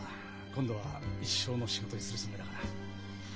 今度は一生の仕事にするつもりだから。